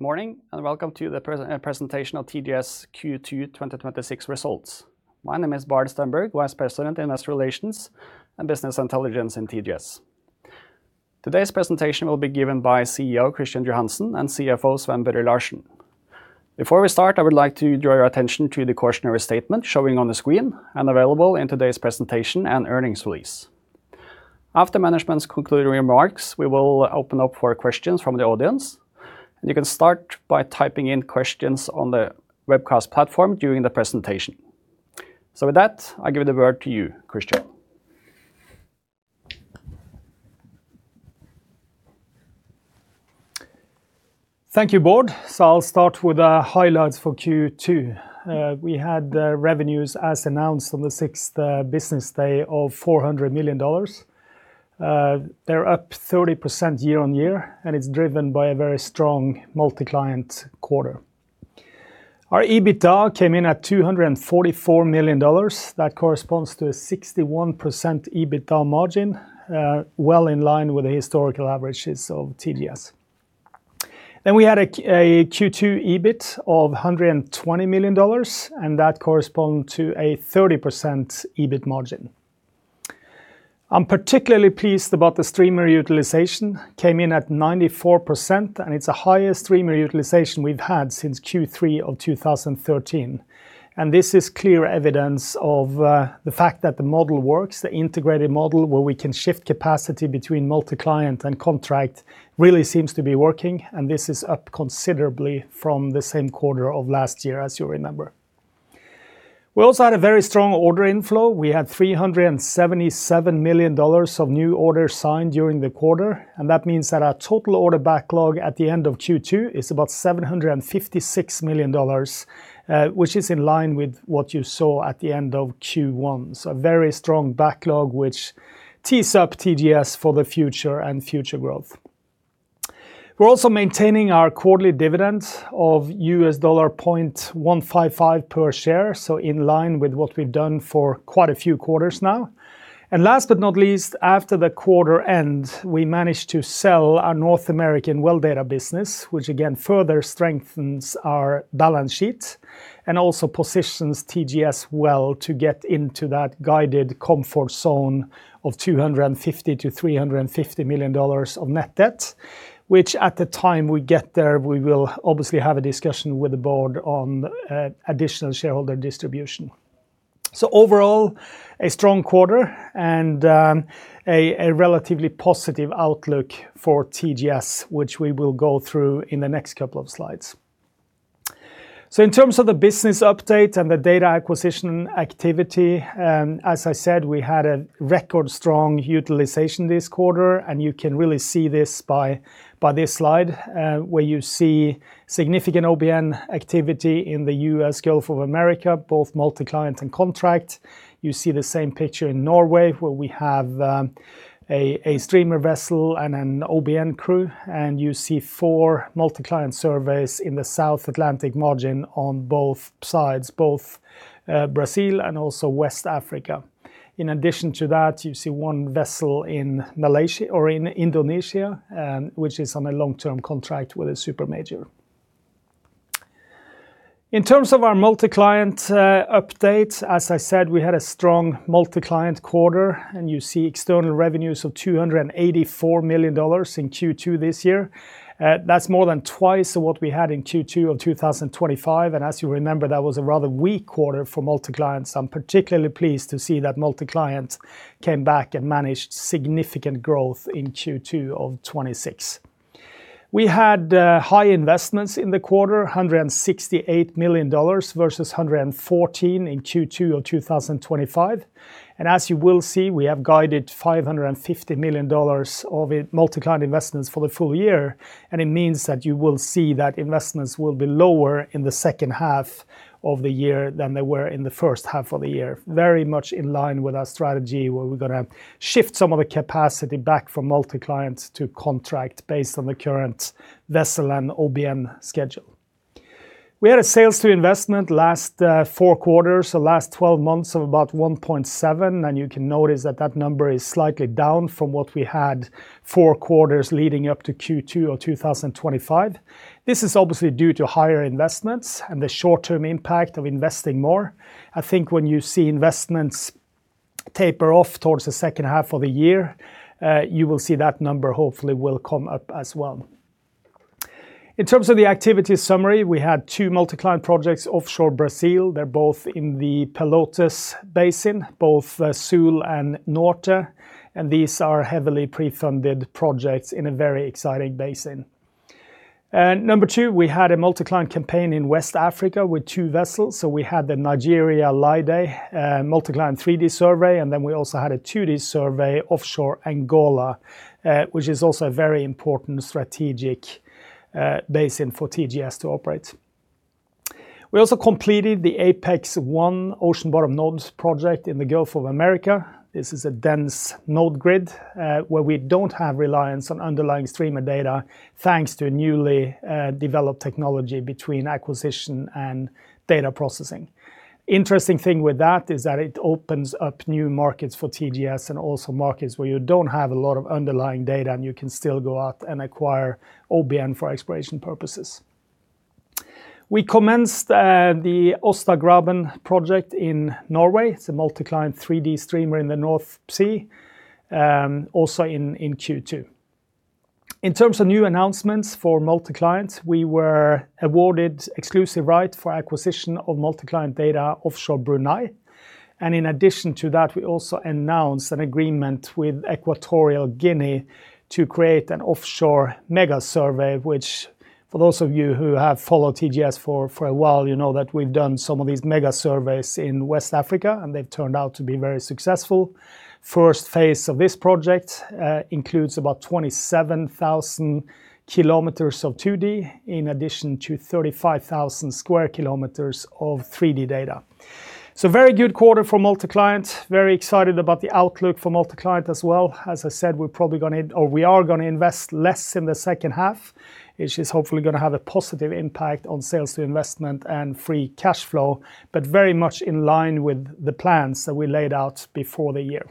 Good morning, and welcome to the presentation of TGS Q2 2026 results. My name is Bård Stenberg, Vice President, Investor Relations and Business Intelligence in TGS. Today's presentation will be given by CEO Kristian Johansen and CFO Sven Børre Larsen. Before we start, I would like to draw your attention to the cautionary statement showing on the screen and available in today's presentation and earnings release. After management's concluding remarks, we will open up for questions from the audience. You can start by typing in questions on the webcast platform during the presentation. With that, I give the word to you, Kristian. Thank you, Bård. I'll start with the highlights for Q2. We had revenues as announced on the sixth business day of $400 million. They're up 30% year-on-year. It's driven by a very strong multi-client quarter. Our EBITDA came in at $244 million. That corresponds to a 61% EBITDA margin, well in line with the historical averages of TGS. We had a Q2 EBIT of $120 million. That corresponds to a 30% EBIT margin. I'm particularly pleased about the streamer utilization. Came in at 94%. It's the highest streamer utilization we've had since Q3 of 2013. This is clear evidence of the fact that the model works. The integrated model where we can shift capacity between multi-client and contract really seems to be working. This is up considerably from the same quarter of last year, as you remember. We also had a very strong order inflow. We had $377 million of new orders signed during the quarter. That means that our total order backlog at the end of Q2 is about $756 million, which is in line with what you saw at the end of Q1. A very strong backlog, which tees up TGS for the future and future growth. We're also maintaining our quarterly dividend of $0.155 per share, in line with what we've done for quite a few quarters now. Last but not least, after the quarter end, we managed to sell our North American Well Data business, which again further strengthens our balance sheet and also positions TGS well to get into that guided comfort zone of $250 million-$350 million of net debt, which at the time we get there, we will obviously have a discussion with the board on additional shareholder distribution. Overall, a strong quarter and a relatively positive outlook for TGS, which we will go through in the next couple of slides. In terms of the business update and the data acquisition activity, as I said, we had a record strong utilization this quarter. You can really see this by this slide, where you see significant OBN activity in the U.S. Gulf of America, both multi-client and contract. You see the same picture in Norway, where we have a streamer vessel and an OBN crew. You see four multi-client surveys in the South Atlantic margin on both sides, both Brazil and also West Africa. In addition to that, you see one vessel in Indonesia, which is on a long-term contract with a super major. In terms of our multi-client update, as I said, we had a strong multi-client quarter. You see external revenues of $284 million in Q2 this year. That's more than twice of what we had in Q2 of 2025, and as you remember, that was a rather weak quarter for multi-client. I'm particularly pleased to see that multi-client came back and managed significant growth in Q2 of 2026. We had high investments in the quarter, $168 million versus $114 in Q2 of 2025. As you will see, we have guided $550 million of multi-client investments for the full year. It means that you will see that investments will be lower in the second half of the year than they were in the first half of the year. Very much in line with our strategy, where we're going to shift some of the capacity back from multi-client to contract based on the current vessel and OBN schedule. We had a sales to investment last four quarters, so last 12 months of about 1.7. You can notice that that number is slightly down from what we had four quarters leading up to Q2 of 2025. This is obviously due to higher investments and the short-term impact of investing more. I think when you see investments taper off towards the second half of the year, you will see that number hopefully will come up as well. In terms of the activity summary, we had two multi-client projects offshore Brazil. They're both in the Pelotas Basin, both Sul and Norte. These are heavily pre-funded projects in a very exciting basin. Number two, we had a multi-client campaign in West Africa with two vessels. We had the Nigeria Laide multi-client 3D survey. We also had a 2D survey offshore Angola, which is also a very important strategic basin for TGS to operate. We also completed the APEX 1 Ocean Bottom Node project in the Gulf of America. This is a dense node grid, where we don't have reliance on underlying streamer data, thanks to newly developed technology between acquisition and data processing. Interesting thing with that is that it opens up new markets for TGS and also markets where you don't have a lot of underlying data. You can still go out and acquire OBN for exploration purposes. We commenced the Aasta Hansteen project in Norway. It's a multi-client 3D streamer in the North Sea, also in Q2. In terms of new announcements for multi-client, we were awarded exclusive right for acquisition of multi-client data offshore Brunei. In addition to that, we also announced an agreement with Equatorial Guinea to create an offshore MegaSurvey, which for those of you who have followed TGS for a while, you know that we've done some of these MegaSurveys in West Africa. They've turned out to be very successful. First phase of this project includes about 27,000 km of 2D in addition to 35,000 sq km of 3D data. Very good quarter for multi-client. Very excited about the outlook for multi-client as well. As I said, we are going to invest less in the second half, which is hopefully going to have a positive impact on sales to investment and free cash flow, very much in line with the plans that we laid out before the year.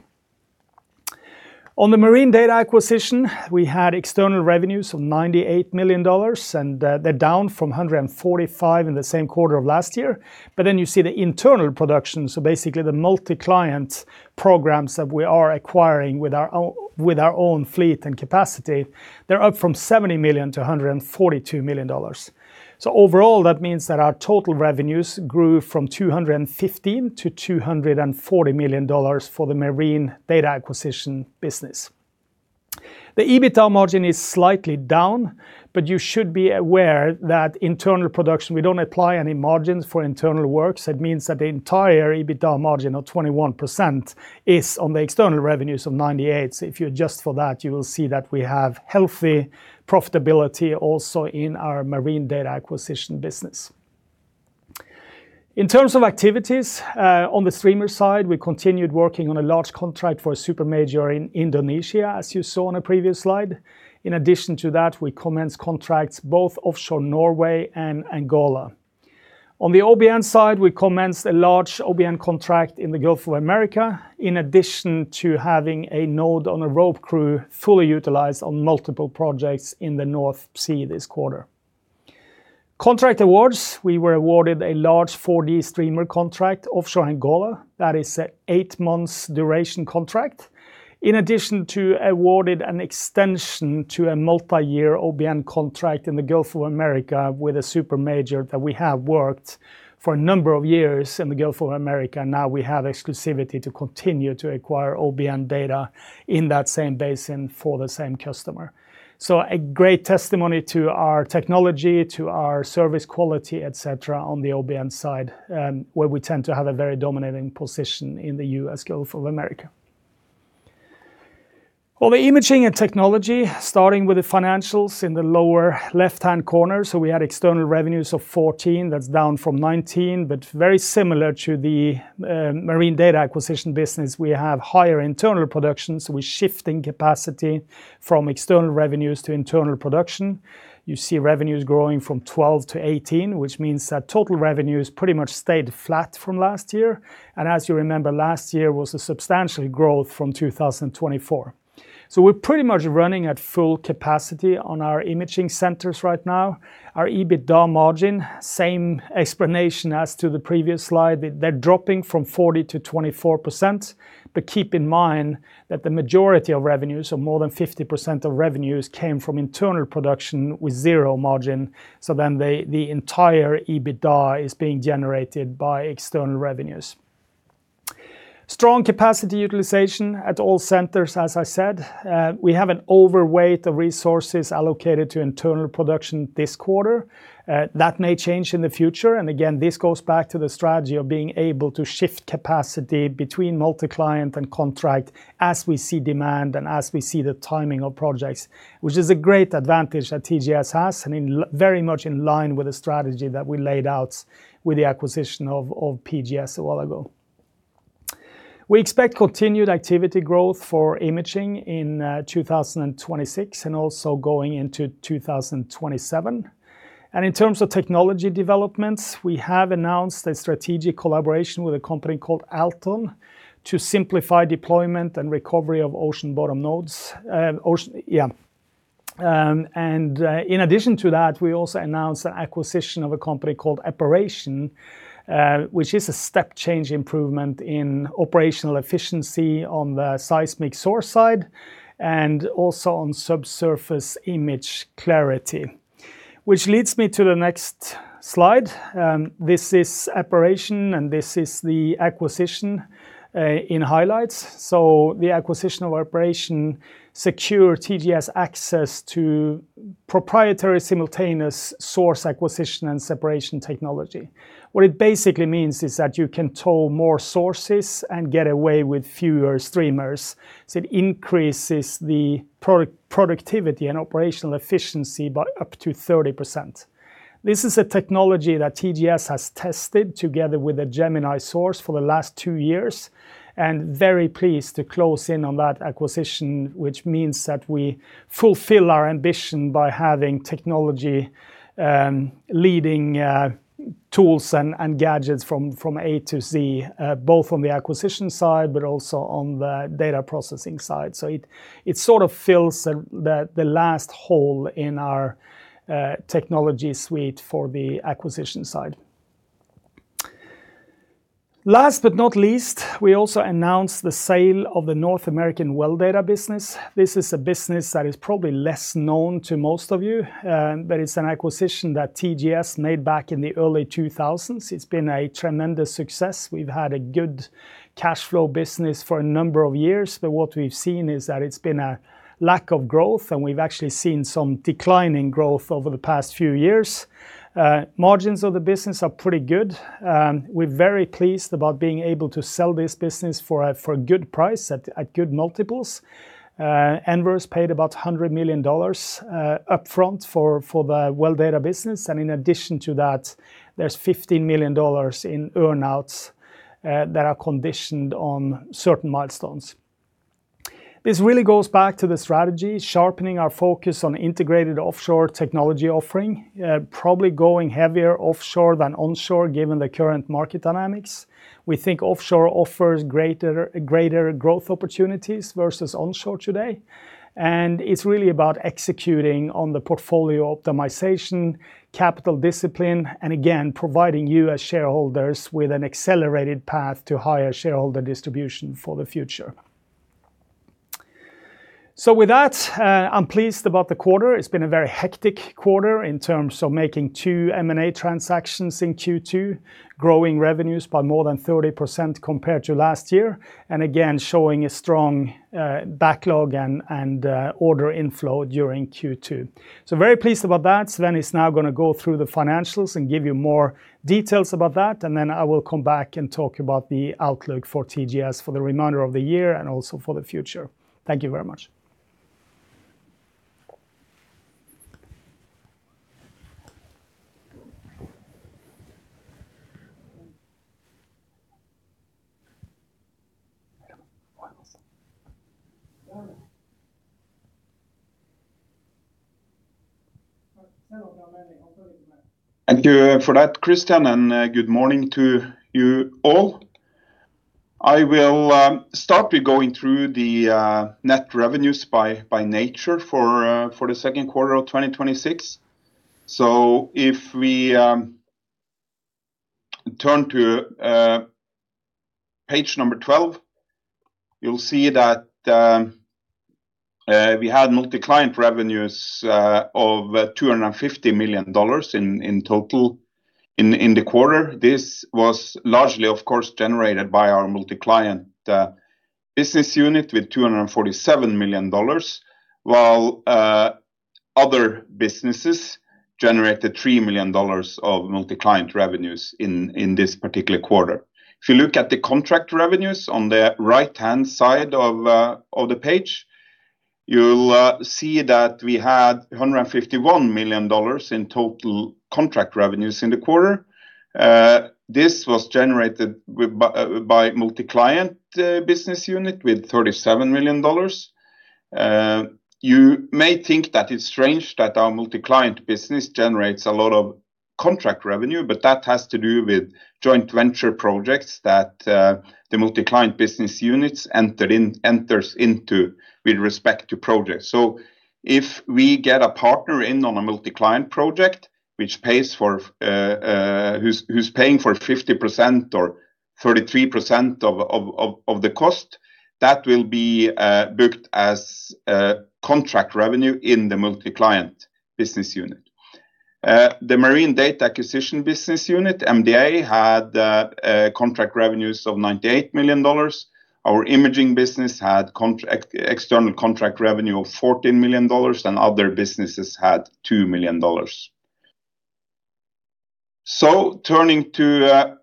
On the Marine Data Acquisition, we had external revenues of $98 million, they're down from $145 million in the same quarter of last year. You see the internal production, so basically the multi-client programs that we are acquiring with our own fleet and capacity, they're up from $70 million to $142 million. Overall, that means that our total revenues grew from $215 million to $240 million for the Marine Data Acquisition business. The EBITDA margin is slightly down, you should be aware that internal production, we don't apply any margins for internal works. That means the entire EBITDA margin of 21% is on the external revenues of $98 million. If you adjust for that, you will see that we have healthy profitability also in our Marine Data Acquisition business. In terms of activities, on the streamer side, we continued working on a large contract for a super major in Indonesia, as you saw on a previous slide. In addition to that, we commenced contracts both offshore Norway and Angola. On the OBN side, we commenced a large OBN contract in the Gulf of America, in addition to having a node on a rope crew fully utilized on multiple projects in the North Sea this quarter. Contract awards, we were awarded a large 4D streamer contract offshore Angola that is a eight months duration contract. In addition to awarded an extension to a multi-year OBN contract in the Gulf of America with a super major that we have worked for a number of years in the Gulf of America. We have exclusivity to continue to acquire OBN data in that same basin for the same customer. A great testimony to our technology, to our service quality, et cetera, on the OBN side, where we tend to have a very dominating position in the U.S. Gulf of America. On the imaging and technology, starting with the financials in the lower left-hand corner. We had external revenues of $14 million, that's down from $19 million, very similar to the Marine Data Acquisition business. We have higher internal production, we're shifting capacity from external revenues to internal production. You see revenues growing from $12 million to $18 million, which means that total revenues pretty much stayed flat from last year. As you remember, last year was a substantial growth from 2024. We're pretty much running at full capacity on our imaging centers right now. Our EBITDA margin, same explanation as to the previous slide. They're dropping from 40% to 24%, keep in mind that the majority of revenues are more than 50% of revenues came from internal production with zero margin. The entire EBITDA is being generated by external revenues. Strong capacity utilization at all centers, as I said. We have an overweight of resources allocated to internal production this quarter. That may change in the future. Again, this goes back to the strategy of being able to shift capacity between multi-client and contract as we see demand and as we see the timing of projects, which is a great advantage that TGS has, and very much in line with the strategy that we laid out with the acquisition of PGS a while ago. We expect continued activity growth for imaging in 2026 and also going into 2027. In terms of technology developments, we have announced a strategic collaboration with a company called Allton to simplify deployment and recovery of ocean bottom nodes. In addition to that, we also announced an acquisition of a company called Apparition which is a step change improvement in operational efficiency on the seismic source side, and also on subsurface image clarity. Which leads me to the next slide. This is Apparition, and this is the acquisition in highlights. The acquisition of Apparition secure TGS access to proprietary simultaneous source acquisition and separation technology. What it basically means is that you can tow more sources and get away with fewer streamers, so it increases the productivity and operational efficiency by up to 30%. This is a technology that TGS has tested together with a Gemini source for the last two years, very pleased to close in on that acquisition, which means that we fulfill our ambition by having technology leading tools and gadgets from A to Z both on the acquisition side, but also on the data processing side. It sort of fills the last hole in our technology suite for the acquisition side. Last but not least, we also announced the sale of the North American Well Data business. This is a business that is probably less known to most of you, but it's an acquisition that TGS made back in the early 2000s. It's been a tremendous success. We've had a good cash flow business for a number of years, but what we've seen is that it's been a lack of growth, and we've actually seen some decline in growth over the past few years. Margins of the business are pretty good. We're very pleased about being able to sell this business for a good price at good multiples. Enverus paid about $100 million upfront for the Well Data business, in addition to that, there's $15 million in earn-outs that are conditioned on certain milestones. This really goes back to the strategy, sharpening our focus on integrated offshore technology offering, probably going heavier offshore than onshore given the current market dynamics. We think offshore offers greater growth opportunities versus onshore today, it's really about executing on the portfolio optimization, capital discipline, and again, providing you as shareholders with an accelerated path to higher shareholder distribution for the future. With that, I'm pleased about the quarter. It's been a very hectic quarter in terms of making two M&A transactions in Q2, growing revenues by more than 30% compared to last year, again, showing a strong backlog and order inflow during Q2. Very pleased about that. Sven is now going to go through the financials and give you more details about that, then I will come back and talk about the outlook for TGS for the remainder of the year, and also for the future. Thank you very much. Thank you for that, Kristian, and good morning to you all. I will start with going through the net revenues by nature for the second quarter of 2026. If we turn to page 12, you'll see that we had multi-client revenues of $250 million in total in the quarter. This was largely, of course, generated by our multi-client business unit with $247 million, while other businesses generated $3 million of multi-client revenues in this particular quarter. If you look at the contract revenues on the right-hand side of the page, you'll see that we had $151 million in total contract revenues in the quarter. This was generated by multi-client business unit with $37 million. You may think that it's strange that our multi-client business generates a lot of contract revenue, but that has to do with joint venture projects that the multi-client business units enters into with respect to projects. If we get a partner in on a multi-client project who's paying for 50% or 33% of the cost, that will be booked as contract revenue in the multi-client business unit. The Marine Data Acquisition business unit, MDA, had contract revenues of $98 million. Our imaging business had external contract revenue of $14 million, and other businesses had $2 million. Turning to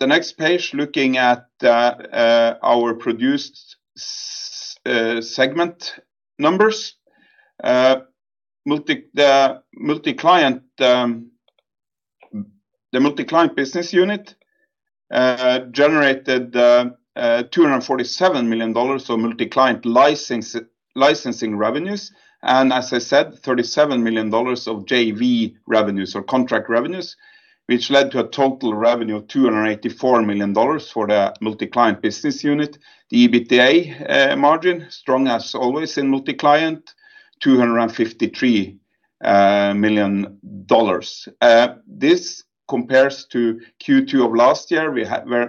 the next page, looking at our produced segment numbers. The multi-client business unit generated $247 million of multi-client licensing revenues, and as I said, $37 million of JV revenues or contract revenues, which led to a total revenue of $284 million for the multi-client business unit. The EBITDA margin, strong as always in multi-client, $253 million. This compares to Q2 of last year,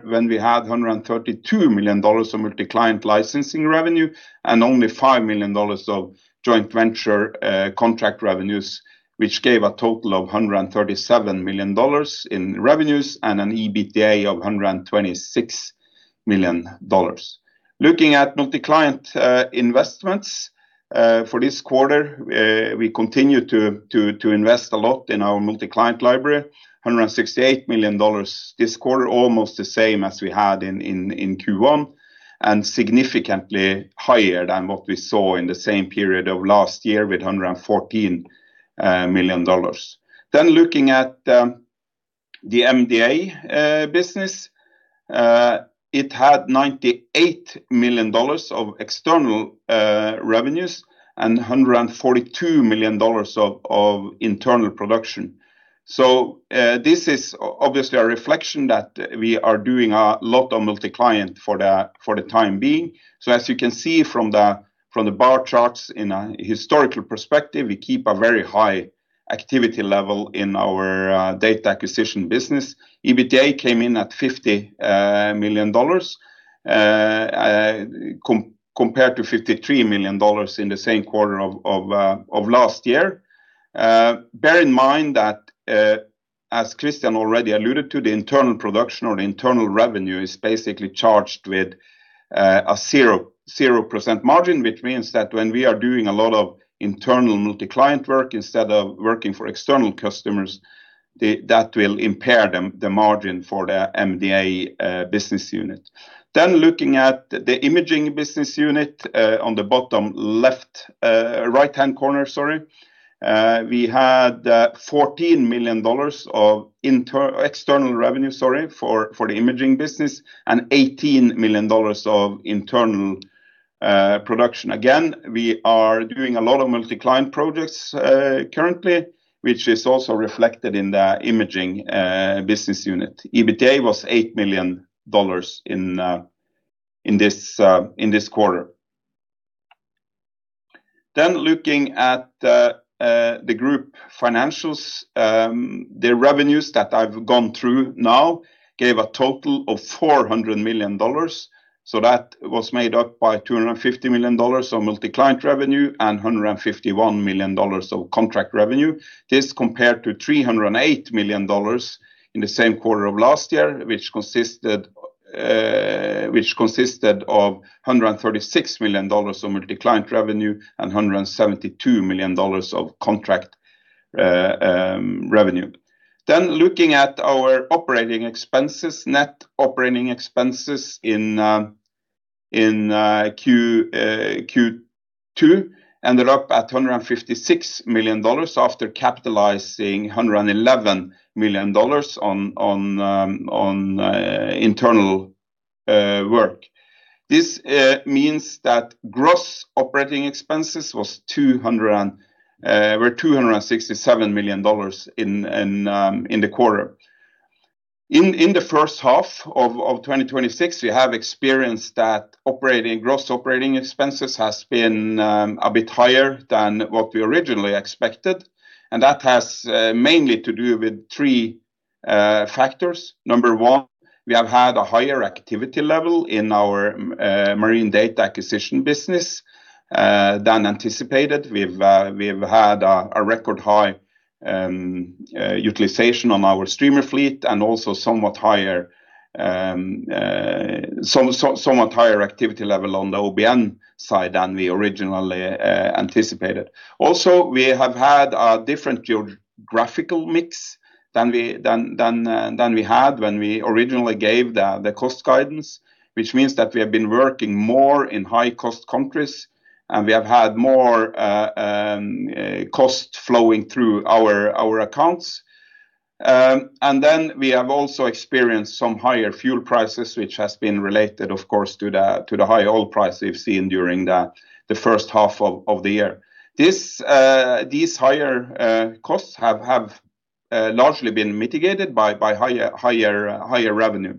when we had $132 million of multi-client licensing revenue and only $5 million of joint venture contract revenues, which gave a total of $137 million in revenues and an EBITDA of $126 million. Looking at multi-client investments for this quarter, we continue to invest a lot in our multi-client library, $168 million this quarter, almost the same as we had in Q1, and significantly higher than what we saw in the same period of last year with $114 million. Looking at the MDA business, it had $98 million of external revenues and $142 million of internal production. This is obviously a reflection that we are doing a lot of multi-client for the time being. As you can see from the bar charts in a historical perspective, we keep a very high activity level in our data acquisition business. EBITDA came in at $50 million, compared to $53 million in the same quarter of last year. Bear in mind that, as Kristian already alluded to, the internal production or the internal revenue is basically charged with a 0% margin, which means that when we are doing a lot of internal multi-client work instead of working for external customers, that will impair the margin for the MDA business unit. Looking at the imaging business unit on the bottom right-hand corner, we had $14 million of external revenue for the imaging business and $18 million of internal production. Again, we are doing a lot of multi-client projects currently, which is also reflected in the imaging business unit. EBITDA was $8 million in this quarter. Looking at the group financials. The revenues that I've gone through now gave a total of $400 million. That was made up by $250 million of multi-client revenue and $151 million of contract revenue. This compared to $308 million in the same quarter of last year, which consisted of $136 million of multi-client revenue and $172 million of contract revenue. Looking at our net operating expenses in Q2, ended up at $156 million after capitalizing $111 million on internal work. This means that gross operating expenses were $267 million in the quarter. In the first half of 2026, we have experienced that gross operating expenses have been a bit higher than what we originally expected, and that has mainly to do with three factors. Number one, we have had a higher activity level in our Marine Data Acquisition business than anticipated. We've had a record high utilization on our streamer fleet and also somewhat higher activity level on the OBN side than we originally anticipated. We have had a different geographical mix than we had when we originally gave the cost guidance, which means that we have been working more in high-cost countries, and we have had more cost flowing through our accounts. We have also experienced some higher fuel prices, which has been related, of course, to the high oil price we've seen during the first half of the year. These higher costs have largely been mitigated by higher revenue.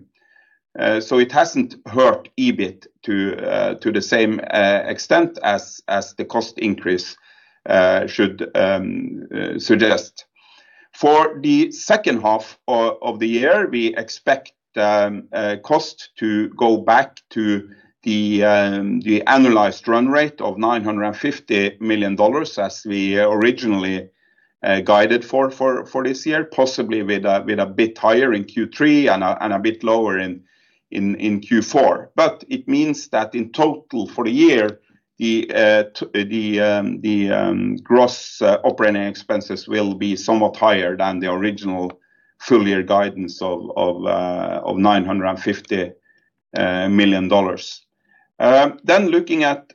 It hasn't hurt EBIT to the same extent as the cost increase should suggest. For the second half of the year, we expect cost to go back to the annualized run rate of $950 million as we originally guided for this year, possibly with a bit higher in Q3 and a bit lower in Q4. It means that in total for the year, the gross operating expenses will be somewhat higher than the original full-year guidance of $950 million. Looking at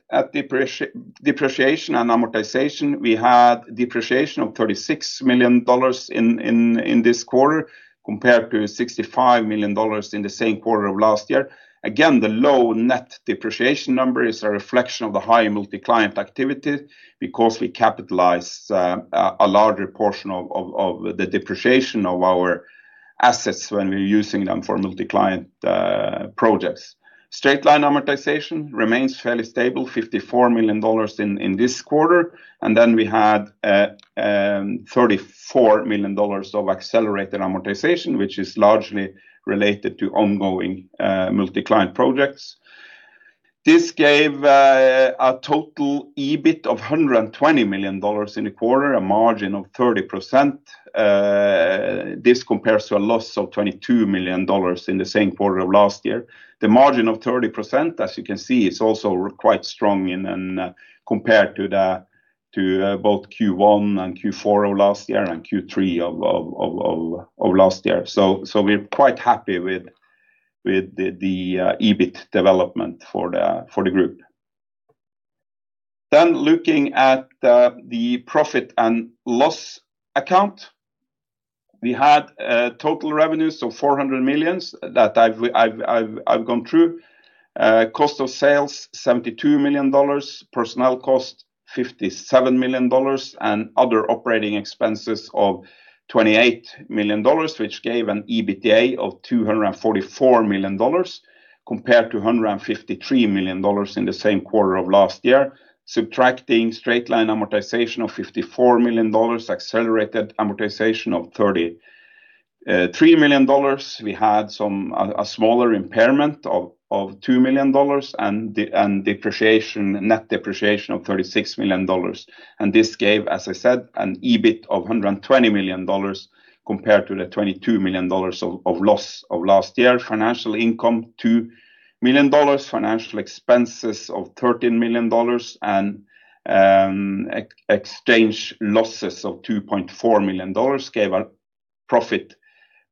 depreciation and amortization, we had depreciation of $36 million in this quarter compared to $65 million in the same quarter of last year. The low net depreciation number is a reflection of the high multi-client activity because we're capitalizing a larger portion of the depreciation of our assets when we're using them for multi-client projects. Straight-line amortization remains fairly stable, $54 million in this quarter. We had $34 million of accelerated amortization, which is largely related to ongoing multi-client projects. This gave a total EBIT of $120 million in the quarter, a margin of 30%. This compares to a loss of $22 million in the same quarter of last year. The margin of 30%, as you can see, is also quite strong compared to both Q1 and Q4 of last year and Q3 of last year. We're quite happy with the EBIT development for the group. Looking at the profit and loss account. We had total revenues of $400 million that I've gone through. Cost of sales, $72 million. Personnel cost, $57 million. Other operating expenses of $28 million, which gave an EBITDA of $244 million compared to $153 million in the same quarter of last year. Subtracting straight-line amortization of $54 million, accelerated amortization of $33 million, we had a smaller impairment of $2 million and net depreciation of $36 million. This gave, as I said, an EBIT of $120 million compared to the $22 million of loss of last year. Financial income, $2 million. Financial expenses of $13 million and exchange losses of $2.4 million gave a profit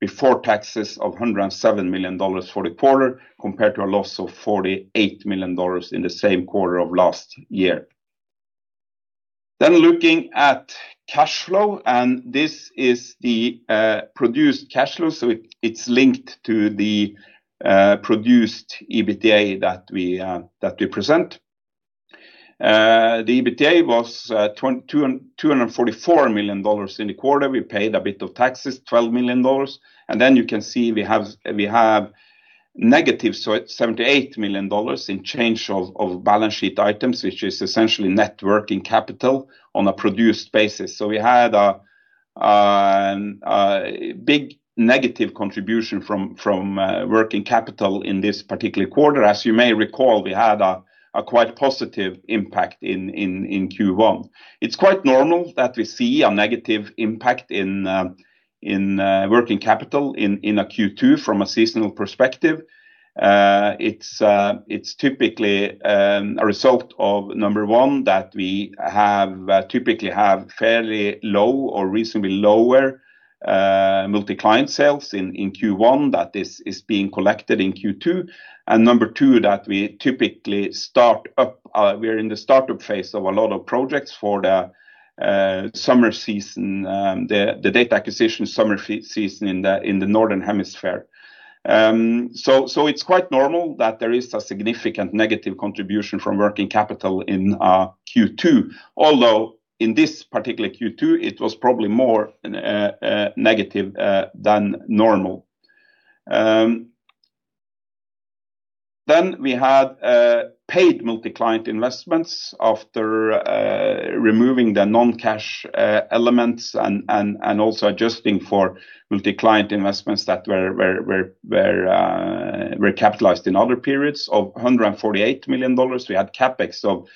before taxes of $107 million for the quarter, compared to a loss of $48 million in the same quarter of last year. Looking at cash flow, this is the produced cash flow, so it's linked to the produced EBITDA that we present. The EBITDA was $244 million in the quarter. We paid a bit of taxes, $12 million. You can see we have negative $78 million in change of balance sheet items, which is essentially net working capital on a produced basis. We had a big negative contribution from working capital in this particular quarter. As you may recall, we had a quite positive impact in Q1. It's quite normal that we see a negative impact in working capital in a Q2 from a seasonal perspective. It's typically a result of, number one, that we typically have fairly low or reasonably lower multi-client sales in Q1 that is being collected in Q2. Number two, that we are in the startup phase of a lot of projects for the summer season, the data acquisition summer season in the northern hemisphere. It's quite normal that there is a significant negative contribution from working capital in Q2, although in this particular Q2 it was probably more negative than normal. We had paid multi-client investments after removing the non-cash elements and also adjusting for multi-client investments that were capitalized in other periods of $148 million. We had CapEx of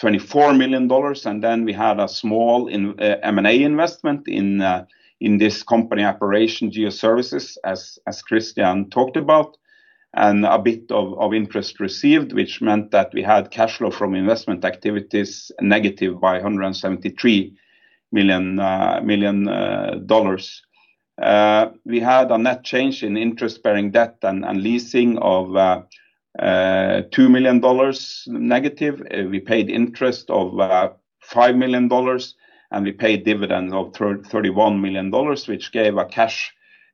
$24 million, we had a small M&A investment in this company Apparition Geoservices, as Kristian talked about, and a bit of interest received, which meant that we had cash flow from investment activities negative by $173 million. We had a net change in interest-bearing debt and leasing of $2 million We paid interest of $5 million, we paid dividends of $31 million, which gave a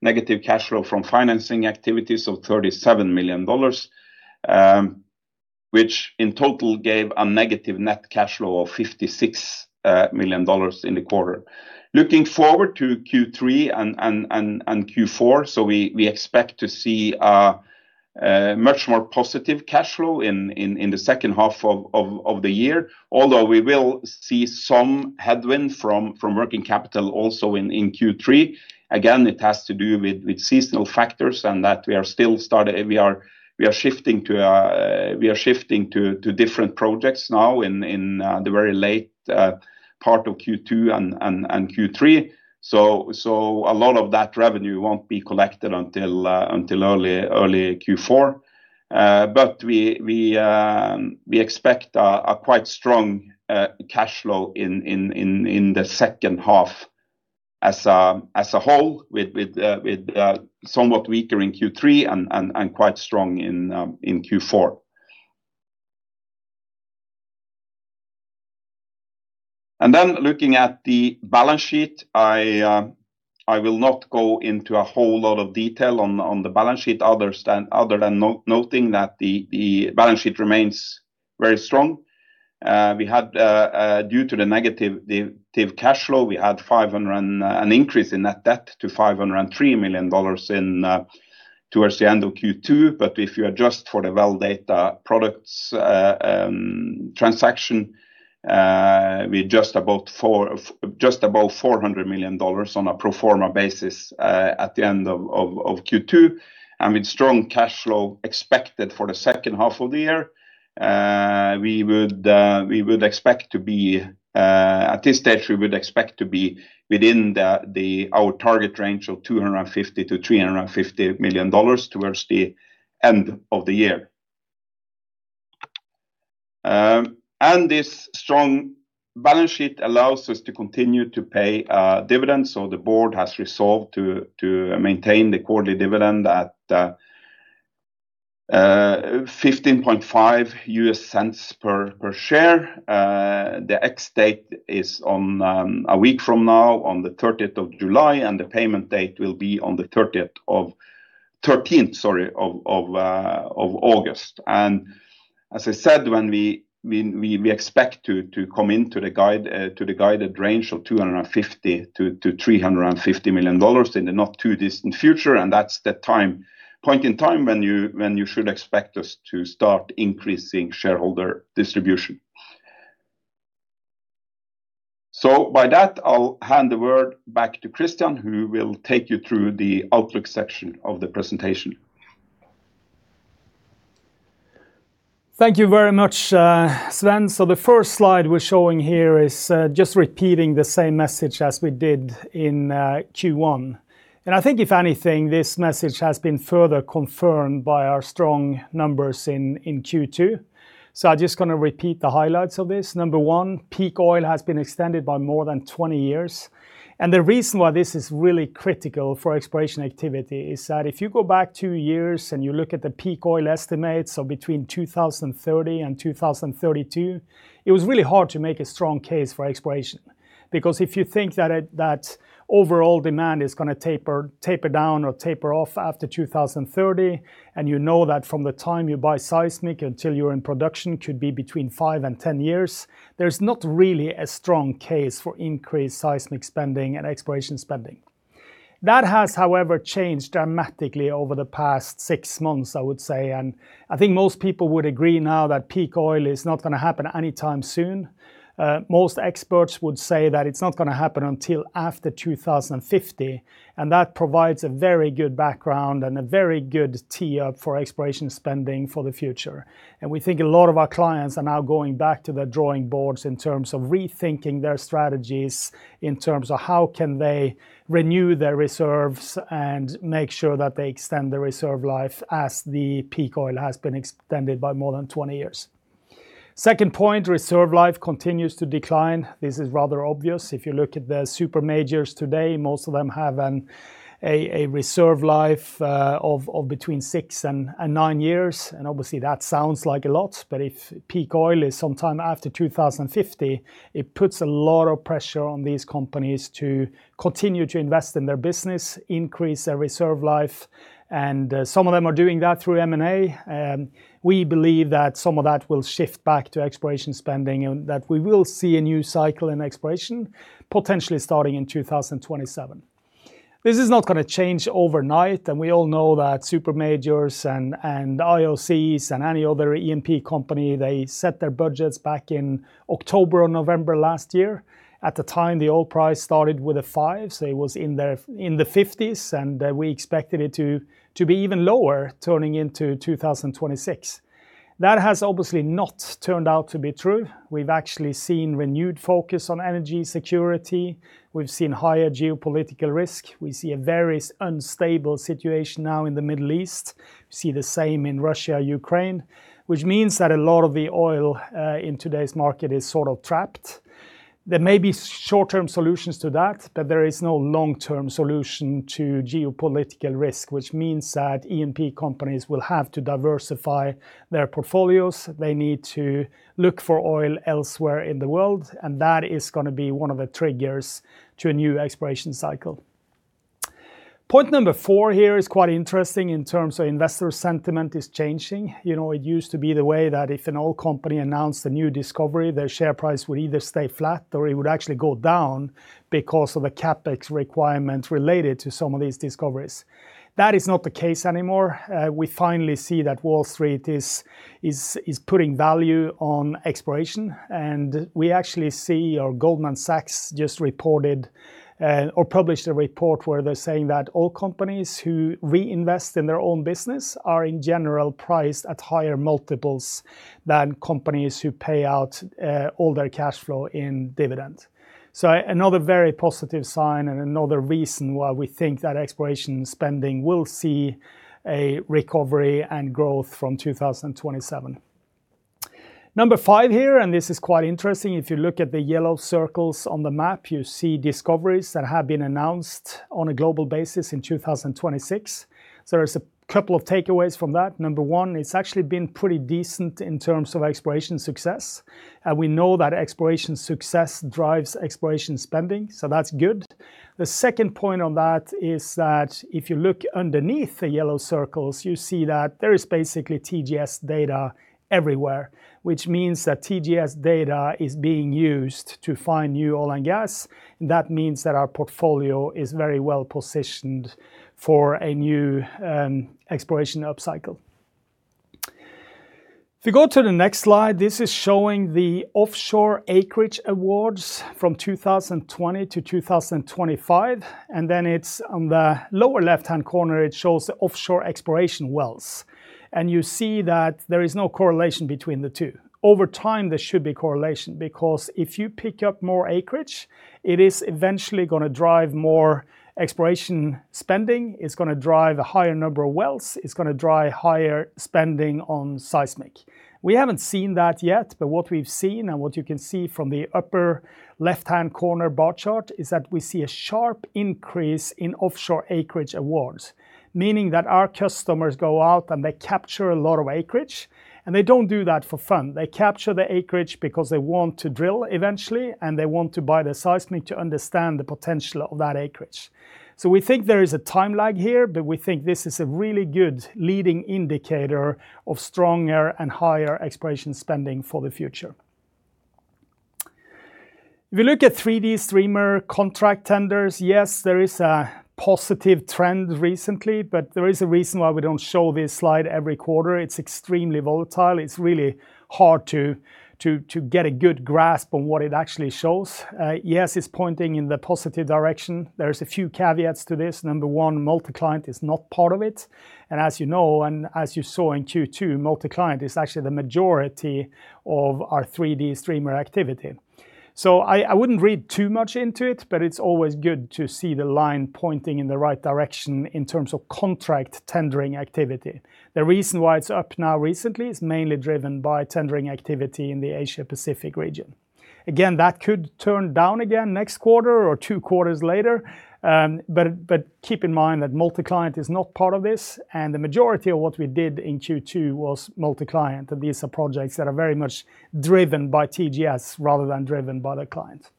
negative cash flow from financing activities of $37 million, which in total gave a negative net cash flow of $56 million in the quarter. Looking forward to Q3 and Q4, we expect to see a much more positive cash flow in the second half of the year, although we will see some headwind from working capital also in Q3. Again, it has to do with seasonal factors and that we are shifting to different projects now in the very late part of Q2 and Q3. A lot of that revenue won't be collected until early Q4. We expect a quite strong cash flow in the second half as a whole with somewhat weaker in Q3 and quite strong in Q4. Looking at the balance sheet, I will not go into a whole lot of detail on the balance sheet other than noting that the balance sheet remains very strong. Due to the negative cash flow, we had an increase in net debt to $503 million towards the end of Q2. If you adjust for the Well Data Products transaction, we're just about $400 million on a pro forma basis at the end of Q2. With strong cash flow expected for the second half of the year, at this stage, we would expect to be within our target range of $250 million-$350 million towards the end of the year. This strong balance sheet allows us to continue to pay dividends, the board has resolved to maintain the quarterly dividend at $0.155 per share. The ex-date is a week from now on the 30th of July, and the payment date will be on the 13th of August. As I said, we expect to come into the guided range of $250 million-$350 million in the not too distant future. That's the point in time when you should expect us to start increasing shareholder distribution. With that, I'll hand the word back to Kristian, who will take you through the outlook section of the presentation. Thank you very much, Sven. The first slide we're showing here is just repeating the same message as we did in Q1. I think if anything, this message has been further confirmed by our strong numbers in Q2. I'm just going to repeat the highlights of this. Number one, peak oil has been extended by more than 20 years. The reason why this is really critical for exploration activity is that if you go back two years and you look at the peak oil estimates of between 2030 and 2032, it was really hard to make a strong case for exploration. If you think that overall demand is going to taper down or taper off after 2030, and you know that from the time you buy seismic until you're in production could be between five and 10 years, there's not really a strong case for increased seismic spending and exploration spending. That has, however, changed dramatically over the past six months, I would say, and I think most people would agree now that peak oil is not going to happen anytime soon. Most experts would say that it's not going to happen until after 2050. That provides a very good background and a very good tee up for exploration spending for the future. We think a lot of our clients are now going back to their drawing boards in terms of rethinking their strategies, in terms of how can they renew their reserves and make sure that they extend the reserve life as the peak oil has been extended by more than 20 years. Second point, reserve life continues to decline. This is rather obvious. If you look at the super majors today, most of them have a reserve life of between six and nine years. Obviously, that sounds like a lot, but if peak oil is sometime after 2050, it puts a lot of pressure on these companies to continue to invest in their business, increase their reserve life, and some of them are doing that through M&A. We believe that some of that will shift back to exploration spending. We will see a new cycle in exploration, potentially starting in 2027. This is not going to change overnight. We all know that super majors and IOCs and any other E&P company, they set their budgets back in October or November last year. At the time, the oil price started with a five, so it was in the 50s. We expected it to be even lower turning into 2026. That has obviously not turned out to be true. We've actually seen renewed focus on energy security. We've seen higher geopolitical risk. We see a very unstable situation now in the Middle East. We see the same in Russia, Ukraine, which means that a lot of the oil in today's market is sort of trapped. There may be short-term solutions to that. There is no long-term solution to geopolitical risk, which means that E&P companies will have to diversify their portfolios. They need to look for oil elsewhere in the world. That is going to be one of the triggers to a new exploration cycle. Point number four here is quite interesting in terms of investor sentiment is changing. It used to be the way that if an oil company announced a new discovery, their share price would either stay flat or it would actually go down because of the CapEx requirements related to some of these discoveries. That is not the case anymore. We finally see that Wall Street is putting value on exploration. We actually see Goldman Sachs just published a report where they're saying that oil companies who reinvest in their own business are, in general, priced at higher multiples than companies who pay out all their cash flow in dividends. Another very positive sign and another reason why we think that exploration spending will see a recovery and growth from 2027. Number five here. This is quite interesting. If you look at the yellow circles on the map, you see discoveries that have been announced on a global basis in 2026. There is a couple of takeaways from that. Number one, it's actually been pretty decent in terms of exploration success. We know that exploration success drives exploration spending. That's good. The second point on that is that if you look underneath the yellow circles, you see that there is basically TGS data everywhere, which means that TGS data is being used to find new oil and gas. That means that our portfolio is very well positioned for a new exploration upcycle. If you go to the next slide, this is showing the offshore acreage awards from 2020 to 2025. On the lower left-hand corner, it shows the offshore exploration wells. You see that there is no correlation between the two. Over time, there should be correlation because if you pick up more acreage, it is eventually going to drive more exploration spending. It is going to drive a higher number of wells. It is going to drive higher spending on seismic. We haven't seen that yet. What we've seen and what you can see from the upper left-hand corner bar chart is that we see a sharp increase in offshore acreage awards, meaning that our customers go out and they capture a lot of acreage, and they don't do that for fun. They capture the acreage because they want to drill eventually, and they want to buy the seismic to understand the potential of that acreage. We think there is a time lag here, but we think this is a really good leading indicator of stronger and higher exploration spending for the future. If you look at 3D streamer contract tenders, yes, there is a positive trend recently, but there is a reason why we don't show this slide every quarter. It is extremely volatile. It is really hard to get a good grasp on what it actually shows. Yes, it is pointing in the positive direction. There are a few caveats to this. Number one, multi-client is not part of it. As you know and as you saw in Q2, multi-client is actually the majority of our 3D streamer activity. I wouldn't read too much into it, but it is always good to see the line pointing in the right direction in terms of contract tendering activity. The reason why it is up now recently is mainly driven by tendering activity in the Asia Pacific region. Again, that could turn down again next quarter or two quarters later. Keep in mind that multi-client is not part of this and the majority of what we did in Q2 was multi-client, and these are projects that are very much driven by TGS rather than driven by the client.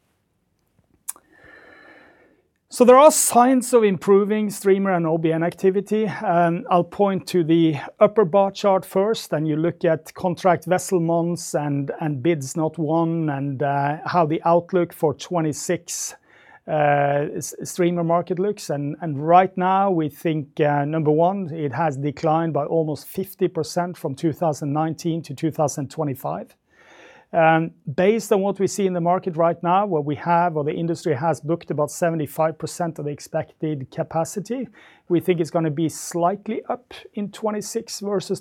There are signs of improving streamer and OBN activity. I will point to the upper bar chart first. You look at contract vessel months and bids not won and how the outlook for 2026 streamer market looks. Right now, we think, number one, it has declined by almost 50% from 2019 to 2025. Based on what we see in the market right now, what we have or the industry has booked about 75% of the expected capacity, we think it is going to be slightly up in 2026 versus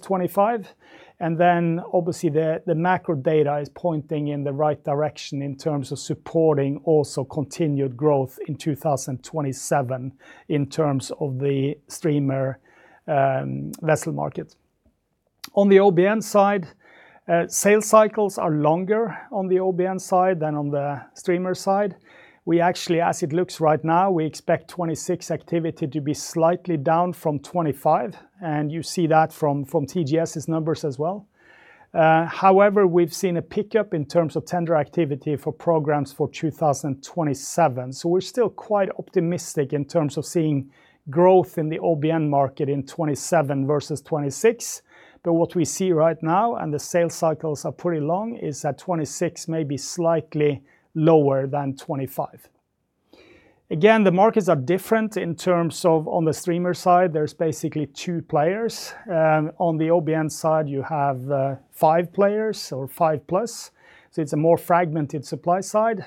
2025. Obviously the macro data is pointing in the right direction in terms of supporting also continued growth in 2027 in terms of the streamer vessel market. On the OBN side, sales cycles are longer on the OBN side than on the streamer side. We actually, as it looks right now, we expect 2026 activity to be slightly down from 2025, you see that from TGS's numbers as well. We've seen a pickup in terms of tender activity for programs for 2027, we're still quite optimistic in terms of seeing growth in the OBN market in 2027 versus 2026. What we see right now, and the sales cycles are pretty long, is that 2026 may be slightly lower than 2025. The markets are different in terms of on the streamer side, there's basically two players. On the OBN side, you have five players or five-plus, it's a more fragmented supply side,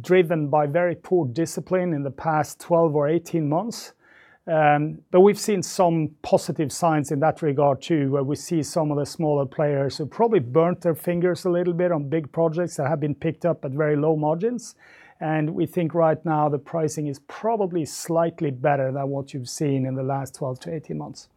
driven by very poor discipline in the past 12 or 18 months. We've seen some positive signs in that regard too, where we see some of the smaller players who probably burnt their fingers a little bit on big projects that have been picked up at very low margins. We think right now the pricing is probably slightly better than what you've seen in the last 12 to 18 months.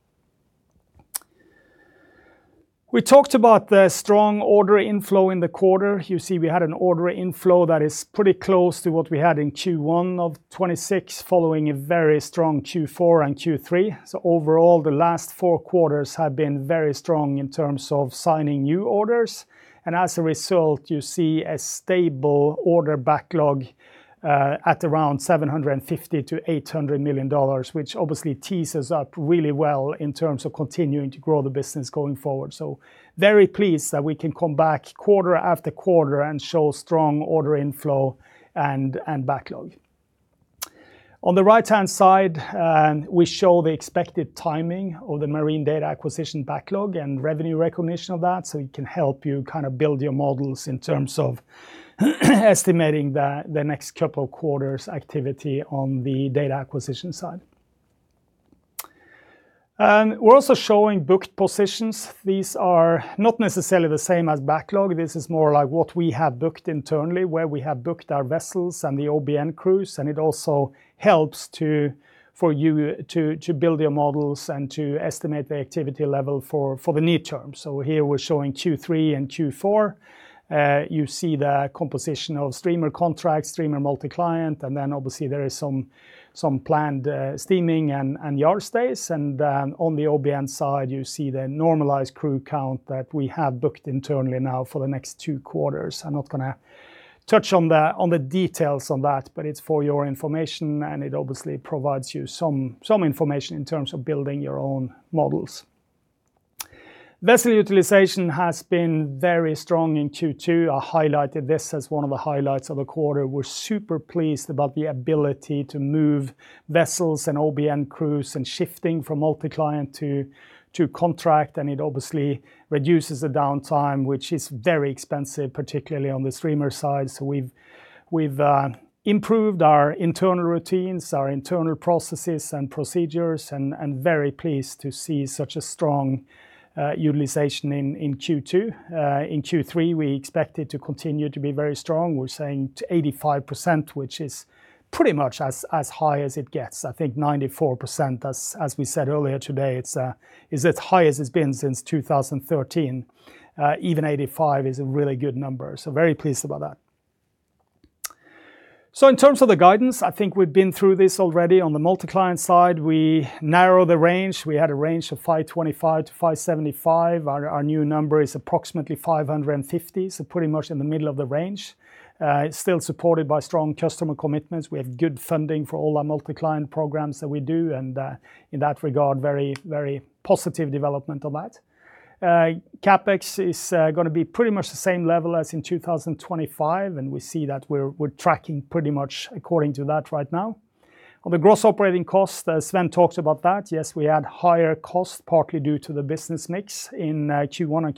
We talked about the strong order inflow in the quarter. You see we had an order inflow that is pretty close to what we had in Q1 of 2026, following a very strong Q4 and Q3. Overall, the last four quarters have been very strong in terms of signing new orders. As a result, you see a stable order backlog at around $750 million-$800 million, which obviously tees us up really well in terms of continuing to grow the business going forward. Very pleased that we can come back quarter after quarter and show strong order inflow and backlog. On the right-hand side, we show the expected timing of the Marine Data Acquisition backlog and revenue recognition of that, it can help you build your models in terms of estimating the next couple of quarters' activity on the data acquisition side. We're also showing booked positions. These are not necessarily the same as backlog. This is more like what we have booked internally, where we have booked our vessels and the OBN crews, and it also helps for you to build your models and to estimate the activity level for the near term. Here we're showing Q3 and Q4. You see the composition of streamer contracts, streamer multi-client, and then obviously there is some planned steaming and yard stays. On the OBN side, you see the normalized crew count that we have booked internally now for the next two quarters. I'm not going to touch on the details on that, but it's for your information, and it obviously provides you some information in terms of building your own models. Vessel utilization has been very strong in Q2. I highlighted this as one of the highlights of the quarter. We're super pleased about the ability to move vessels and OBN crews and shifting from multi-client to contract, and it obviously reduces the downtime, which is very expensive, particularly on the streamer side. We've improved our internal routines, our internal processes and procedures, and very pleased to see such a strong utilization in Q2. In Q3, we expect it to continue to be very strong. We're saying to 85%, which is pretty much as high as it gets. I think 94%, as we said earlier today, is as high as it's been since 2013. Even 85 is a really good number, so very pleased about that. In terms of the guidance, I think we've been through this already. On the multi-client side, we narrow the range. We had a range of $525 million-$575 million. Our new number is approximately $550 million, so pretty much in the middle of the range. It's still supported by strong customer commitments. We have good funding for all our multi-client programs that we do, and in that regard very positive development on that. CapEx is going to be pretty much the same level as in 2025, and we see that we're tracking pretty much according to that right now. On the gross operating cost, as Sven talked about that, yes, we had higher costs, partly due to the business mix in Q1 and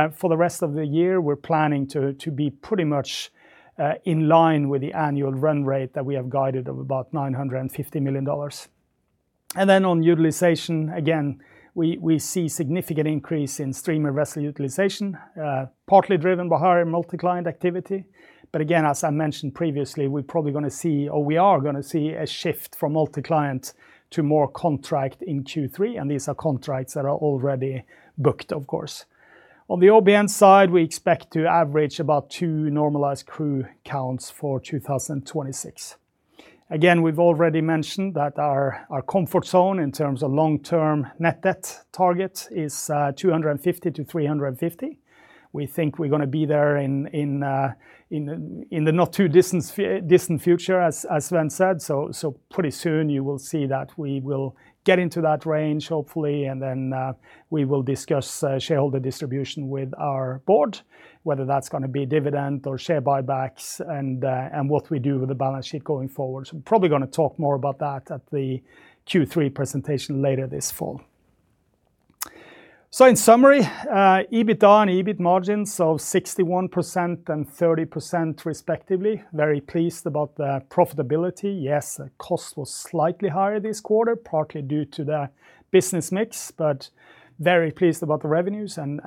Q2. For the rest of the year, we're planning to be pretty much in line with the annual run rate that we have guided of about $950 million. On utilization, again, we see significant increase in streamer vessel utilization, partly driven by higher multi-client activity. Again, as I mentioned previously, we're probably going to see, or we are going to see a shift from multi-client to more contract in Q3. These are contracts that are already booked, of course. On the OBN side, we expect to average about two normalized crew counts for 2026. Again, we've already mentioned that our comfort zone in terms of long-term net debt target is $250 million-$350 million. We think we're going to be there in the not too distant future, as Sven said. Pretty soon you will see that we will get into that range, hopefully, and then we will discuss shareholder distribution with our board, whether that's going to be dividend or share buybacks and what we do with the balance sheet going forward. I'm probably going to talk more about that at the Q3 presentation later this fall. In summary, EBITDA and EBIT margins of 61% and 30% respectively. Very pleased about the profitability. Yes, cost was slightly higher this quarter, partly due to the business mix, but very pleased about the revenues and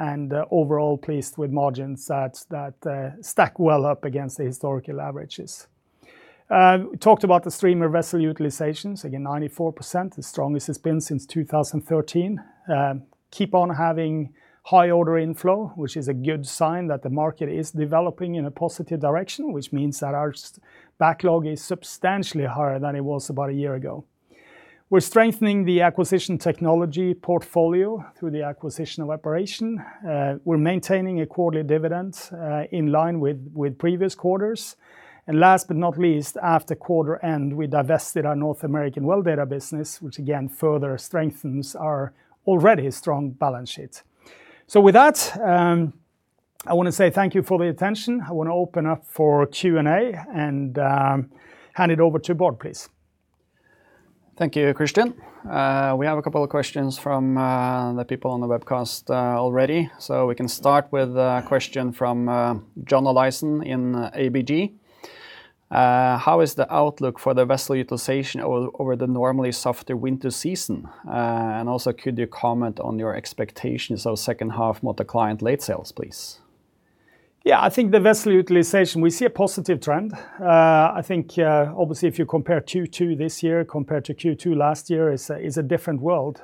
overall pleased with margins that stack well up against the historical averages. We talked about the streamer vessel utilizations. Again, 94%, the strongest it's been since 2013. Keep on having high order inflow, which is a good sign that the market is developing in a positive direction, which means that our backlog is substantially higher than it was about a year ago. We're strengthening the acquisition technology portfolio through the acquisition of Apparition. We're maintaining a quarterly dividend in line with previous quarters. Last but not least, after quarter end, we divested our North American Well Data business, which again further strengthens our already strong balance sheet. With that, I want to say thank you for the attention. I want to open up for Q&A and hand it over to Bård, please. Thank you, Kristian. We have a couple of questions from the people on the webcast already. We can start with a question from John Olaisen in ABG. How is the outlook for the vessel utilization over the normally softer winter season? Also, could you comment on your expectations of second half multi-client late sales, please? I think the vessel utilization, we see a positive trend. I think obviously if you compare Q2 this year compared to Q2 last year is a different world.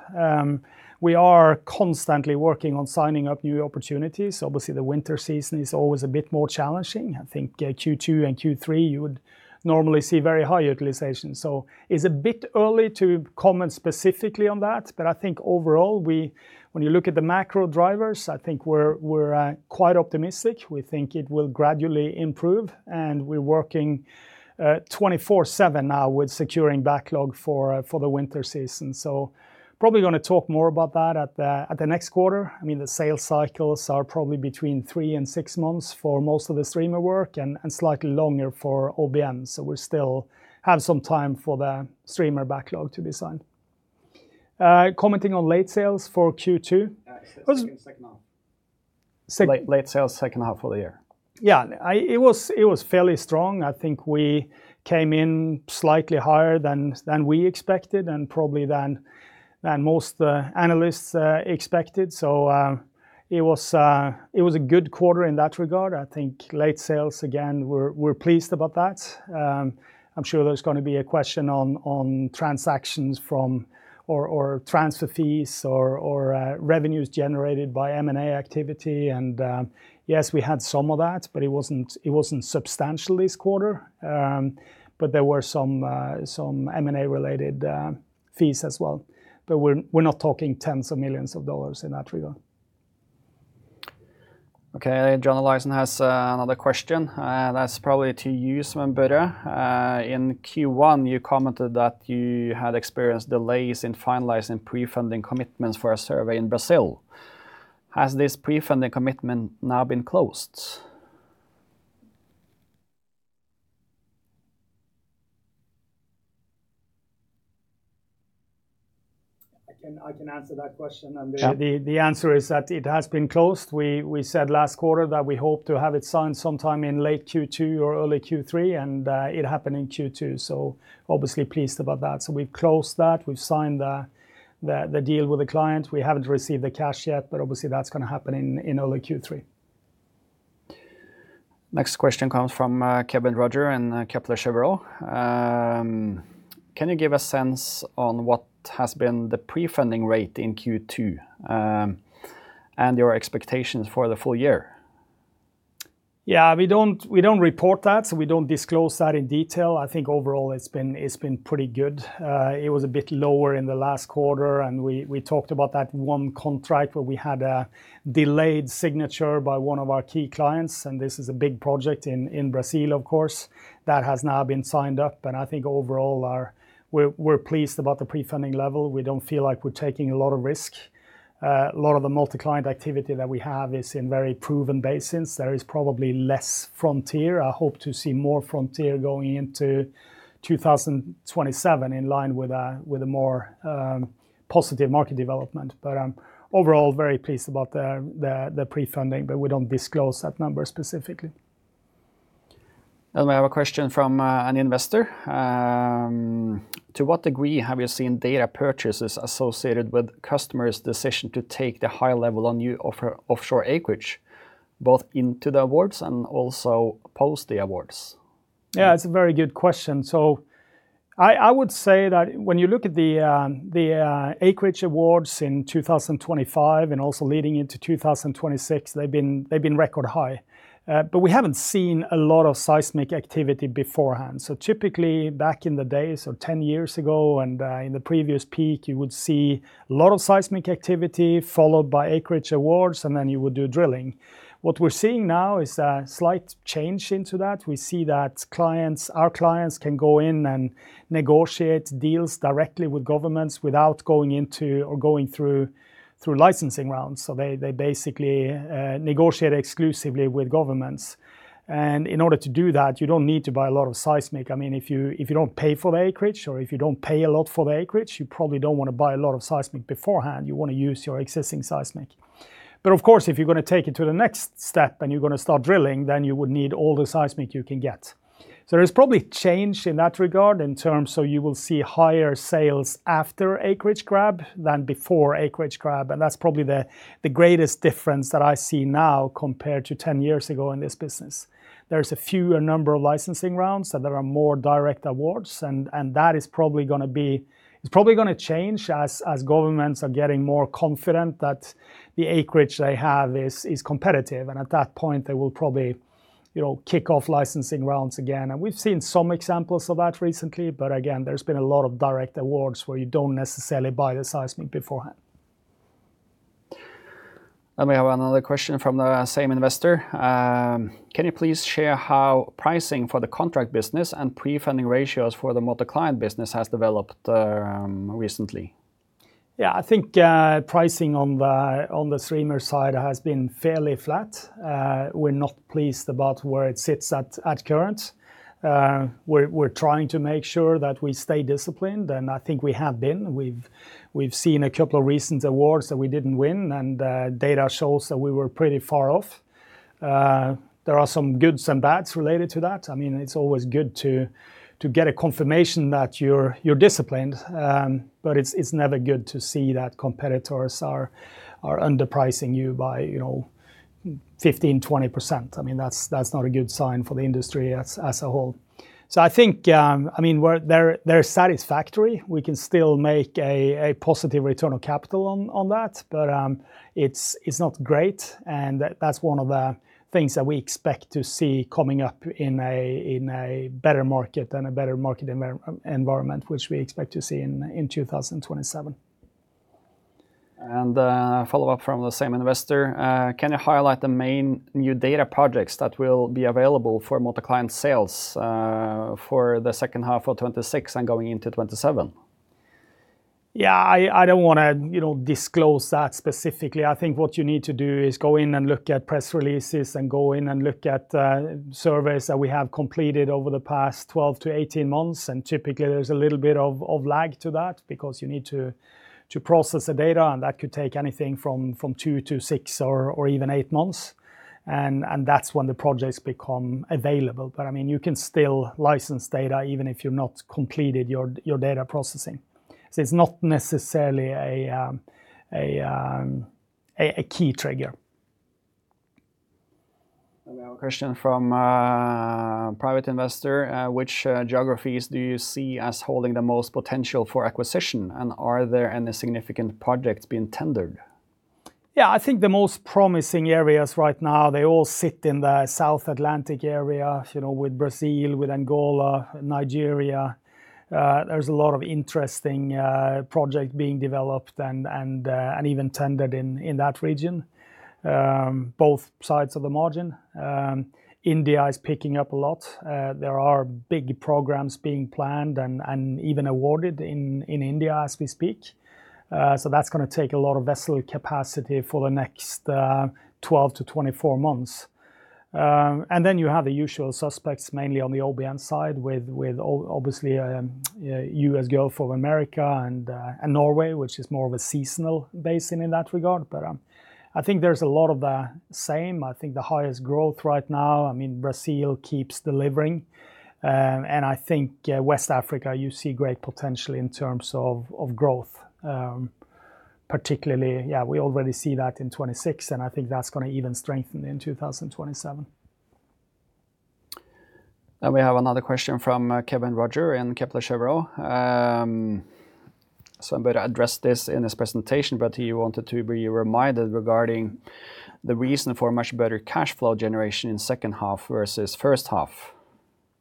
We are constantly working on signing up new opportunities. Obviously, the winter season is always a bit more challenging. I think Q2 and Q3, you would normally see very high utilization. It's a bit early to comment specifically on that. I think overall, when you look at the macro drivers, I think we're quite optimistic. We think it will gradually improve, we're working 24/7 now with securing backlog for the winter season. Probably going to talk more about that at the next quarter. The sales cycles are probably between three and six months for most of the streamer work and slightly longer for OBN. We still have some time for the streamer backlog to be signed. Commenting on late sales for Q2. Second half. Late sales second half of the year. It was fairly strong. I think we came in slightly higher than we expected and probably than most analysts expected. It was a good quarter in that regard. I think late sales, again, we're pleased about that. I'm sure there's going to be a question on transactions from, or transfer fees or revenues generated by M&A activity and yes, we had some of that, but it wasn't substantial this quarter. There were some M&A related fees as well. We're not talking tens of millions of dollars in that regard. John Olaisen has another question. That's probably to you, Sven Børre. In Q1, you commented that you had experienced delays in finalizing pre-funding commitments for a survey in Brazil. Has this pre-funding commitment now been closed? I can answer that question. The answer is that it has been closed. We said last quarter that we hope to have it signed sometime in late Q2 or early Q3, it happened in Q2, obviously pleased about that. We've closed that. We've signed the deal with the client. We haven't received the cash yet, obviously that's going to happen in early Q3. Next question comes from Kévin Roger in Kepler Cheuvreux. Can you give a sense on what has been the pre-funding rate in Q2? Your expectations for the full year? Yeah, we don't report that, we don't disclose that in detail. I think overall it's been pretty good. It was a bit lower in the last quarter, and we talked about that one contract where we had a delayed signature by one of our key clients, and this is a big project in Brazil, of course, that has now been signed up. I think overall we're pleased about the pre-funding level. We don't feel like we're taking a lot of risk. A lot of the multi-client activity that we have is in very proven basins. There is probably less frontier. I hope to see more frontier going into 2027 in line with a more positive market development. I'm overall very pleased about the pre-funding, but we don't disclose that number specifically. We have a question from an investor. To what degree have you seen data purchases associated with customers' decision to take the higher level on new offshore acreage, both into the awards and also post the awards? Yeah, it's a very good question. I would say that when you look at the acreage awards in 2025 and also leading into 2026, they've been record high. We haven't seen a lot of seismic activity beforehand. Typically back in the day, so 10 years ago and in the previous peak, you would see a lot of seismic activity followed by acreage awards, then you would do drilling. What we're seeing now is a slight change into that. We see that our clients can go in and negotiate deals directly with governments without going into or going through licensing rounds. They basically negotiate exclusively with governments. In order to do that, you don't need to buy a lot of seismic. If you don't pay for the acreage or if you don't pay a lot for the acreage, you probably don't want to buy a lot of seismic beforehand. You want to use your existing seismic. Of course, if you're going to take it to the next step and you're going to start drilling, you would need all the seismic you can get. There is probably change in that regard in terms so you will see higher sales after acreage grab than before acreage grab. That's probably the greatest difference that I see now compared to 10 years ago in this business. There's a fewer number of licensing rounds, there are more direct awards, and that is probably going to change as governments are getting more confident that the acreage they have is competitive, and at that point, they will probably kick off licensing rounds again. We've seen some examples of that recently, but again, there's been a lot of direct awards where you don't necessarily buy the seismic beforehand. We have another question from the same investor. Can you please share how pricing for the contract business and pre-funding ratios for the multi-client business has developed recently? Yeah, I think pricing on the streamer side has been fairly flat. We're not pleased about where it sits at current. We're trying to make sure that we stay disciplined, and I think we have been. We've seen a couple of recent awards that we didn't win, and data shows that we were pretty far off. There are some goods and bads related to that. It's always good to get a confirmation that you're disciplined, but it's never good to see that competitors are underpricing you by 15%-20%. That's not a good sign for the industry as a whole. I think they're satisfactory. We can still make a positive return on capital on that, but it's not great, and that's one of the things that we expect to see coming up in a better market and a better market environment, which we expect to see in 2027. A follow-up from the same investor. Can you highlight the main new data projects that will be available for multi-client sales for the second half of 2026 and going into 2027? I don't want to disclose that specifically. I think what you need to do is go in and look at press releases and go in and look at surveys that we have completed over the past 12 to 18 months. Typically, there's a little bit of lag to that because you need to process the data, and that could take anything from two to six or even eight months. That's when the projects become available. You can still license data even if you've not completed your data processing. It's not necessarily a key trigger. We have a question from a private investor. Which geographies do you see as holding the most potential for acquisition? Are there any significant projects being tendered? I think the most promising areas right now, they all sit in the South Atlantic area with Brazil, with Angola, Nigeria. There's a lot of interesting project being developed and even tendered in that region, both sides of the margin. India is picking up a lot. There are big programs being planned and even awarded in India as we speak. That's going to take a lot of vessel capacity for the next 12 to 24 months. Then you have the usual suspects, mainly on the OBN side with obviously U.S. Gulf of America and Norway, which is more of a seasonal basin in that regard. I think there's a lot of the same. I think the highest growth right now, Brazil keeps delivering. I think West Africa, you see great potential in terms of growth. Particularly, we already see that in 2026. I think that's going to even strengthen in 2027. We have another question from Kévin Roger in Kepler Cheuvreux. I'm going to address this in this presentation, he wanted to be reminded regarding the reason for much better cash flow generation in second half versus first half.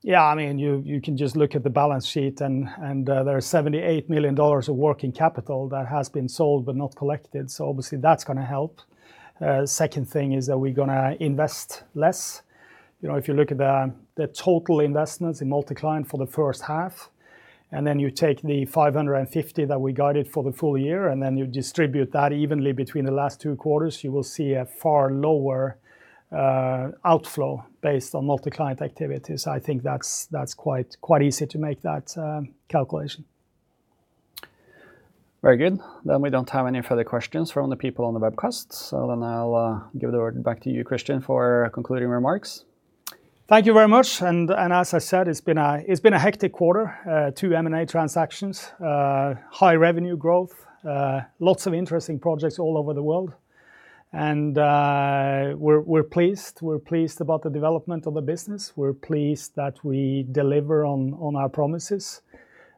You can just look at the balance sheet and there are $78 million of working capital that has been sold but not collected. Obviously that's going to help. Second thing is that we're going to invest less. If you look at the total investments in multi-client for the first half, and then you take the $550 that we guided for the full year, and then you distribute that evenly between the last two quarters, you will see a far lower outflow based on multi-client activities. I think that's quite easy to make that calculation. Very good. We don't have any further questions from the people on the webcast. I'll give the word back to you, Kristian, for concluding remarks. Thank you very much. As I said, it's been a hectic quarter. Two M&A transactions, high revenue growth, lots of interesting projects all over the world. We're pleased about the development of the business. We're pleased that we deliver on our promises.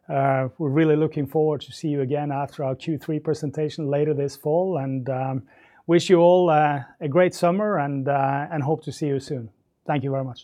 We're really looking forward to see you again after our Q3 presentation later this fall, wish you all a great summer and hope to see you soon. Thank you very much